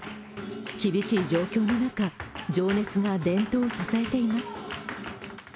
厳しい状況の中、情熱が伝統を支えています。